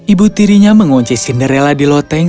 ibu tirinya mengunci cinderella di loteng